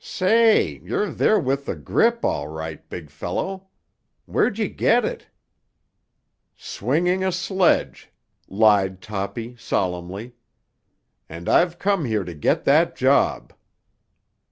"Say, you're there with the grip, all right, big fellow. Where'd you get it?" "Swinging a sledge," lied Toppy solemnly. "And I've come here to get that job."